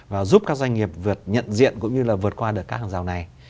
và giúp các doanh nghiệp việt nhận diện cũng như là vượt qua được các hàng rào này